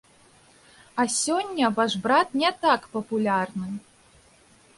А сёння ваш брат не так папулярны.